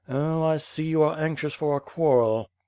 "Oh, I see you are anxious for a quarrel."